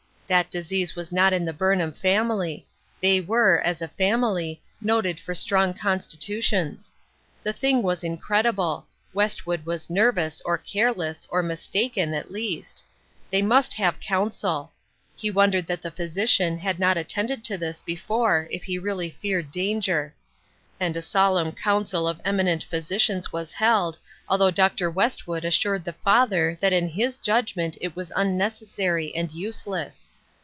That disease was not in the Burnham family ; they were, as a family, noted for strong constitu tions. The thing was incredible ; Westwood was nervous, or careless, or mistaken, at least ; they must have counsel ; he wondered that the physi cian had not attended to this before if he really feared danger. And a solemn council of eminent physicians was held, although Dr. Westwood as sured the father that in his judgment it was unnec essary and useless.